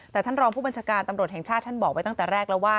แต่ท่านรองผู้บัญชาการตำรวจแห่งชาติท่านบอกไว้ตั้งแต่แรกแล้วว่า